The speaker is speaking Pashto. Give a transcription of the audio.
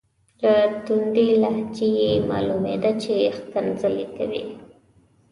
له توندې لهجې یې معلومیده چې ښکنځلې کوي.